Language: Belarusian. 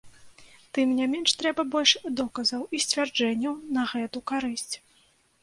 Тым не менш, трэба больш доказаў і сцвярджэнняў на гэту карысць.